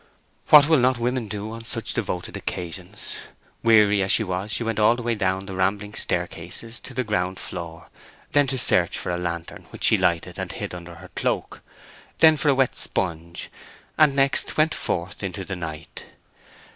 What will not women do on such devoted occasions? weary as she was she went all the way down the rambling staircases to the ground floor, then to search for a lantern, which she lighted and hid under her cloak; then for a wet sponge, and next went forth into the night.